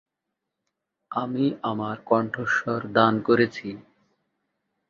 দেশে ও দেশের বাইরে বসবাসকারী বিখ্যাত ভারতীয়দের সাক্ষাৎকার নিয়েছেন তিনি।